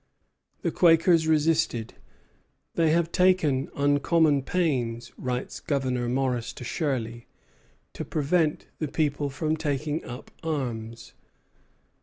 The Quakers resisted. "They have taken uncommon pains," writes Governor Morris to Shirley, "to prevent the people from taking up arms."